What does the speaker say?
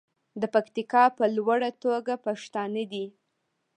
د پکتیکا په لوړه توګه پښتانه دي.